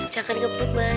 jangan kebut mas